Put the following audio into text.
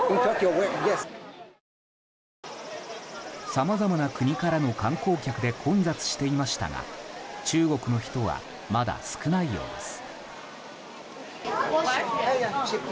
さまざまな国からの観光客で混雑していましたが中国の人はまだ少ないようです。